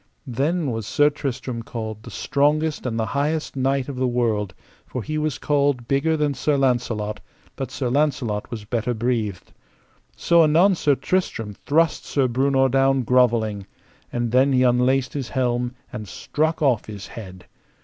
Then was Sir Tristram called the strongest and the highest knight of the world; for he was called bigger than Sir Launcelot, but Sir Launcelot was better breathed. So anon Sir Tristram thrust Sir Breunor down grovelling, and then he unlaced his helm and struck off his head.